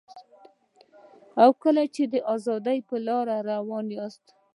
او کله چي د ازادۍ په لاره روان یاست